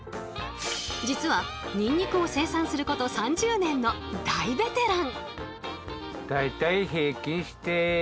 実はニンニクを生産すること３０年の大ベテラン！